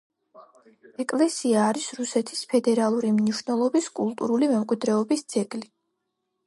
ეკლესია არის რუსეთის ფედერალური მნიშვნელობის კულტურული მემკვიდრეობის ძეგლი.